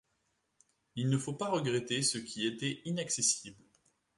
Il ne faut pas regretter ce qui était inaccessible.